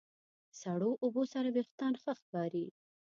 سړو اوبو سره وېښتيان ښه ښکاري.